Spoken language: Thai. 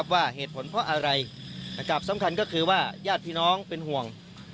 ว่าเหตุผลเพราะอะไรสำคัญก็คือว่าญาติพี่น้องเป็นห่วง